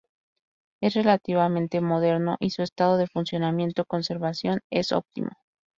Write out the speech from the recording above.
Es relativamente moderno y su estado de funcionamiento y conservación es óptimo.